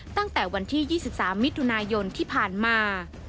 ตั้งแต่วันที่๒๓มิถุนายนที่ผ่านมา